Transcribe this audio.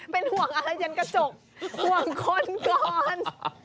เป็นห่วงอะไรยันกระจกห่วงคนก่อน